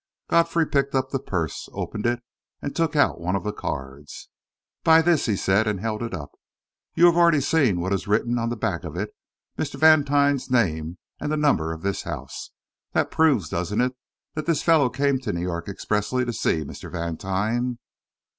Godfrey picked up the purse, opened it, and took out one of the cards. "By this," he said, and held it up. "You have already seen what is written on the back of it Mr. Vantine's name and the number of this house. That proves, doesn't it, that this fellow came to New York expressly to see Mr. Vantine?"